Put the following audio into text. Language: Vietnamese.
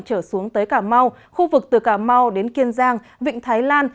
trở xuống tới cà mau khu vực từ cà mau đến kiên giang vịnh thái lan